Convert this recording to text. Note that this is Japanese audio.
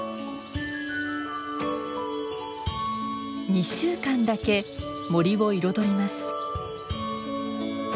２週間だけ森を彩ります。